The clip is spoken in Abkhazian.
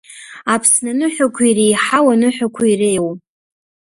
Аԥсны аныҳәақәа иреиҳау аныҳәақәа иреиуоу…